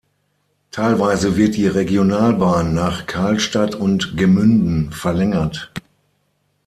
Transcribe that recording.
Teilweise wird die Regionalbahn nach Karlstadt und Gemünden verlängert.